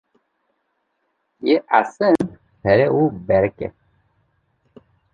Yê esil pere û berîk e.